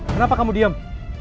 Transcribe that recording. kenapa kamu diem